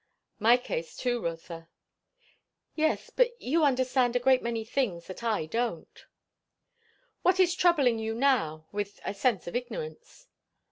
"My case too, Rotha." "Yes, but you understand a great many things that I don't." "What is troubling you now, with a sense of ignorance?"